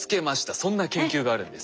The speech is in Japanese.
そんな研究があるんです。